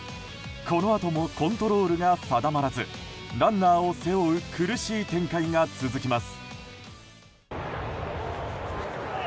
このあともコントロールが定まらずランナーを背負う苦しい展開が続きます。